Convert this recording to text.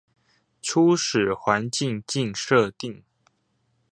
初始環境境設定